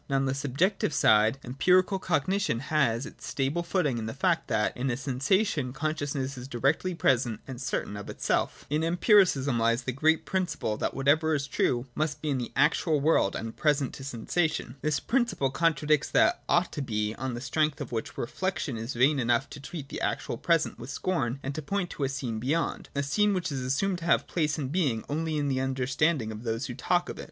And on the subjective side Em pirical cognition has its stable footing in the fact that in a sensation consciousness is directly present and certain of itself. In Empiricism lies the great principle that whatever 78 SECOND ATTITUDE TO OBJECTIVITY. [38. is true must be in the actual world and present to sen sation. This principle contradicts that 'ought to be' on the strength of which ' reflection ' is vain enough to treat the actual present with scorn and to point to a scene beyond — a scene which is assumed to have place and being only in tl ^e understanding of those who talk of it.